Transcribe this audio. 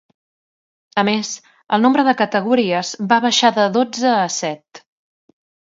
A més, el nombre de categories va baixar de dotze a set.